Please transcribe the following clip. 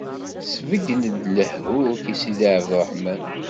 Sbeggen-d lehhu-k i sidi Abṛaham.